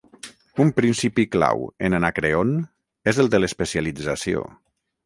Un principi clau en "Anacreon" és el de l'especialització.